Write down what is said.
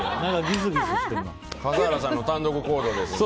笠原さんの単独行動ですので。